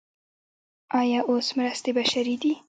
آیا اوس مرستې بشري دي؟